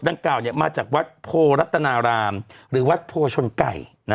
กล่าวมาจากวัดโพรัตนารามหรือวัดโพชนไก่